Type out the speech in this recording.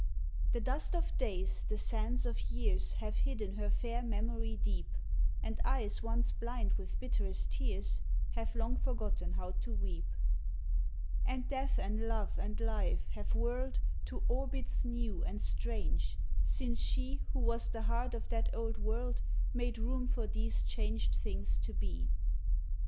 The dust of days, the sands of years Have hidden her fair memory deep, And eyes once blind with bitterest tears Have long forgotten how to weep ; UNFORGOTTEN 69 And death and love and life have whirled To orbits new and strange since she Who was the heart of that old world Made room for these changed things to be.